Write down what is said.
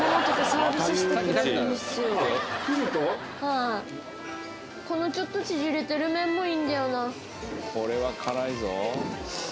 はいこのちょっと縮れてる麺もいいんだよなうん！